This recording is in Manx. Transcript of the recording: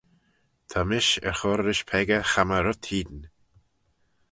Ta mish er chur rish peccah chammah rhyt hene.